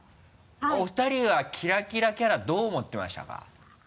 お二人はキラキラキャラどう思ってましたか？